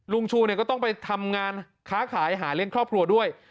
ลุงชูก็ต้องไปทำงานค้าขายหาเลี้ยงครอบครัวด้วย